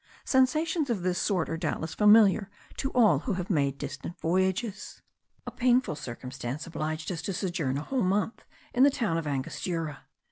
Sensations of this sort are doubtless familiar to all who have made distant voyages. A painful circumstance obliged us to sojourn a whole month in the town of Angostura.